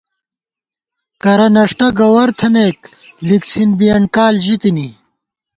کرہ نݭٹہ گوَر تھنَئیک، لِکڅھِن بِیَن کال ژِتِنی